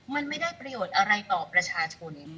มันไม่ได้ประโยชน์อะไรต่อประชาชน